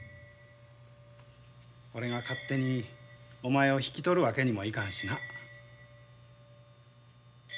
俺が勝手にお前を引き取るわけにもいかんしな。